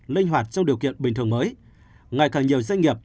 linh hoạt trong điều kiện bình thường mới ngày càng nhiều doanh nghiệp